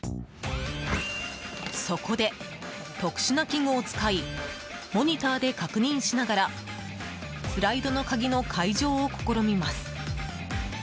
そこで、特殊な器具を使いモニターで確認しながらスライドの鍵の解錠を試みます。